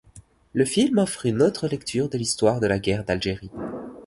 Le film offre une autre lecture de l'histoire de la Guerre d'Algérie.